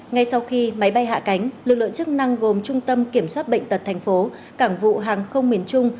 ngay sau khi máy bay hạ cánh lực lượng chức năng gồm trung tâm kiểm soát bệnh tật thành phố cảng vụ hàng không miền trung